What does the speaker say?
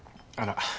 あら。